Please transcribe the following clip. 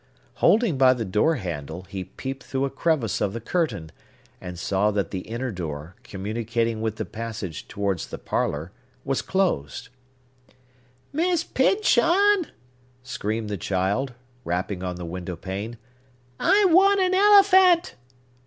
Holding by the door handle, he peeped through a crevice of the curtain, and saw that the inner door, communicating with the passage towards the parlor, was closed. "Miss Pyncheon!" screamed the child, rapping on the window pane, "I want an elephant!"